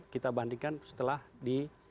kita bandingkan setelah di